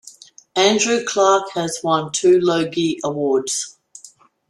Andrew Clarke has won two Logie Awards.